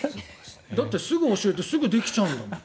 だってすぐ教えてすぐできちゃうんだもん。